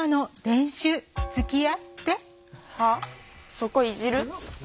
そこいじる？